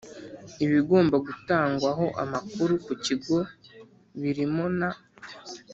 Ibigomba gutangwaho amakuru ku Kigo birimo n